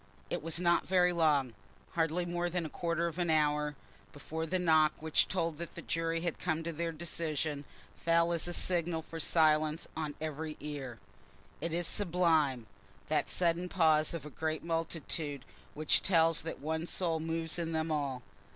It was not very long, hardly more than a quarter of an hour, before the knock which told that the jury had come to their decision fell as a signal for silence on every ear. It is sublime—that sudden pause of a great multitude which tells that one soul moves in them all.